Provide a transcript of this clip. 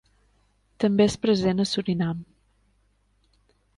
També és present a Surinam.